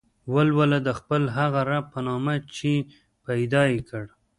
ولوله د خپل هغه رب په نامه چې پيدا يې کړ.